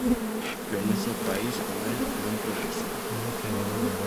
Que o noso país con el non progresou.